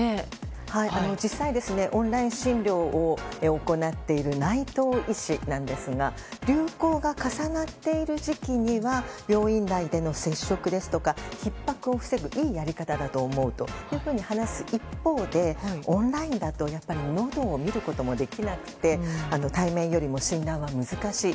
実際、オンライン診療を行っている内藤医師なんですが流行が重なっている時期には病院内での接触ですとかひっ迫を防ぐいいやり方だと思うと話す一方でオンラインだとやっぱりのどを診ることもできなくて対面よりも診断は難しい。